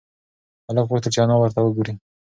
هلک غوښتل چې انا ورته وگوري.